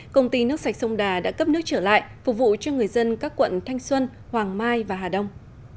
công ty nước sạch sông đà đã cấp nước trở lại phục vụ cho người dân các quận thanh xuân hoàng mai và hà đông